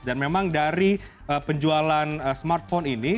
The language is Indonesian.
dan memang dari penjualan smartphone ini